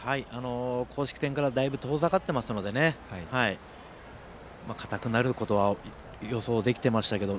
公式戦からだいぶ遠ざかっていますので硬くなることは予想できてましたけど。